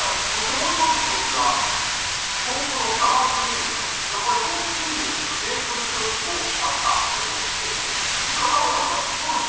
もう１つ豆腐の生クリームなんですが豆腐クリームにメープルシロップを足したものです。